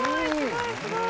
すごい！